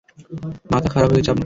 মাথা খারাপ হয়ে গেছে আপনার!